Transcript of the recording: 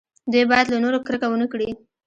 دوی باید له نورو کرکه ونه کړي.